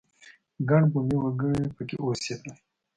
ګڼ بومي وګړي په کې اوسېدل.